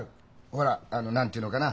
ほらあの何て言うのかな